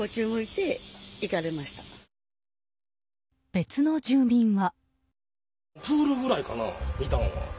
別の住民は。